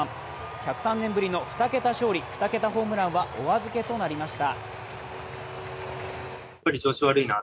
１０３年ぶり、２桁勝利２桁ホームランはお預けとなりました。